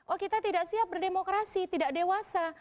oh kita tidak siap berdemokrasi tidak dewasa